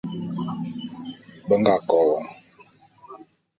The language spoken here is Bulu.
Be nga KO won.